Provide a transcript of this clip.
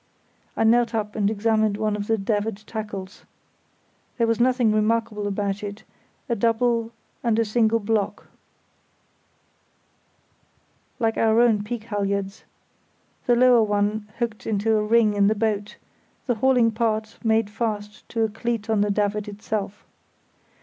I knelt up and examined one of the davit tackles. There was nothing remarkable about it, a double and a single block (like our own peak halyards), the lower one hooked into a ring in the boat, the hauling part made fast to a cleat on the davit itself.